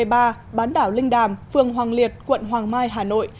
bán đảo linh đàm phường hoàng liệt quận hoàng mai hà nội